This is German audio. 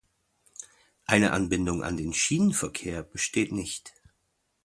Eine Anbindung an den Schienenverkehr besteht nicht.